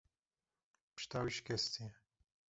Pişta wî şikestiye.